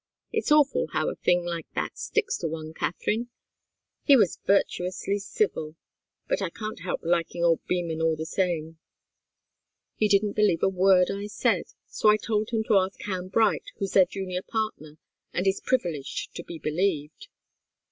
It's awful, how a thing like that sticks to one, Katharine! He was virtuously civil but I can't help liking old Beman, all the same. He didn't believe a word I said. So I told him to ask Ham Bright, who's their junior partner and is privileged to be believed.